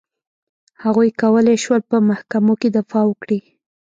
هغوی کولای شول په محکمو کې دفاع وکړي.